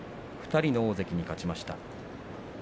２人の大関に勝ちました。